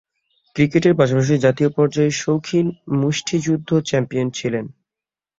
ক্রিকেটের পাশাপাশি জাতীয় পর্যায়ে শৌখিন মুষ্টিযুদ্ধ চ্যাম্পিয়ন ছিলেন।